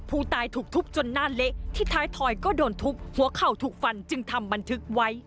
ผู้ตายถูกทุบจนหน้าเละที่ท้ายถอยก็โดนทุบหัวเข่าถูกฟันจึงทำบันทึกไว้